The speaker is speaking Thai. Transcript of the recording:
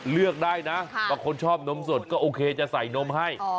เลือกได้นะบางคนชอบนมสดก็โอเคจะใส่นมให้